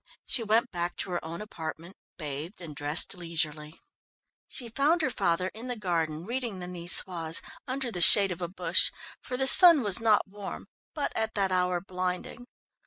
She went back to her own apartment, bathed and dressed leisurely. She found her father in the garden reading the Nicoise, under the shade of a bush, for the sun was not warm, but at that hour, blinding.